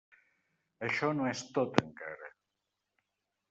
Això no és tot encara.